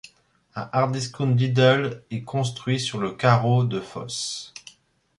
Un hard-discount Lidl est construit sur le carreau de fosse.